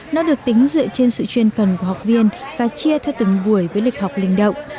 nó được tính dựa trên sự chuyên cần của học viên và chia theo từng buổi với lịch học linh động